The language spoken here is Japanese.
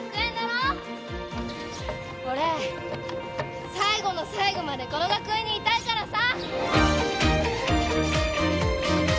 俺最後の最後までこの学園にいたいからさ。